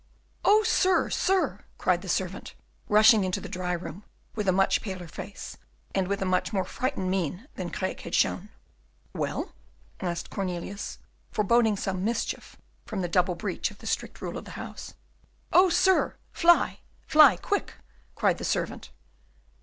"Oh, sir! sir!" cried the servant, rushing into the dry room with a much paler face and with a much more frightened mien than Craeke had shown. "Well!" asked Cornelius, foreboding some mischief from the double breach of the strict rule of his house. "Oh, sir, fly! fly quick!" cried the servant.